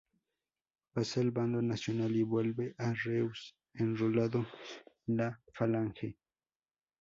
Pasa al bando nacional y vuelve a Reus enrolado en la Falange.